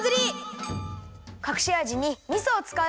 かくしあじにみそをつかう。